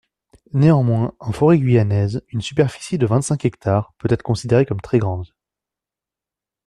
Néanmoins, en forêt guyanaise, une superficie de vingt-cinq hectares peut être considérée comme très grande.